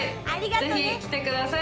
ぜひ来てください。